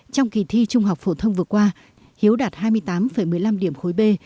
trong kỳ thi trung học phổ thông vừa qua hiếu đạt hai mươi tám một mươi năm điểm khối b